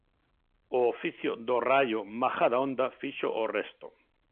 O oficio do Raio Majadahonda fixo o resto.